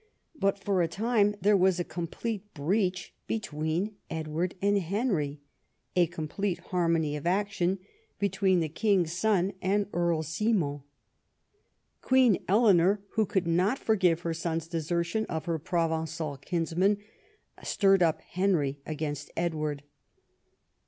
But for a time there was a complete breach between Edward and Henry, a complete harmony of action between the king's son and Earl Simon. Queen Eleanor, who could not forgive her son's desertion of her Provencal kins folk, stirred up Henry against Edward.